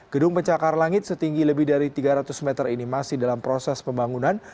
gedung pencakar langit setinggi lebih dari tiga ratus meter ini masih dalam proses pembangunan